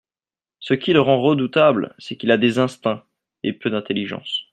Ce qui le rend redoutable, c'est qu'il a des instincts et peu d'intelligence.